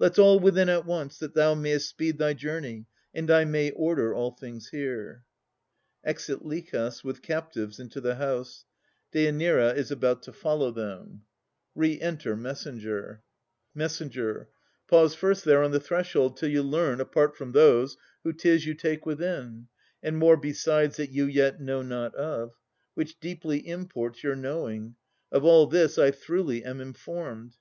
Let's all within at once, that thou mayest speed Thy journey, and I may order all things here. [Exit LICHAS, with Captives, into the house. DÊANIRA is about to follow them Re enter Messenger. MESS. Pause first there on the threshold, till you learn (Apart from those) who 'tis you take within, And more besides that you yet know not of, Which deeply imports your knowing. Of all this I throughly am informed. DÊ.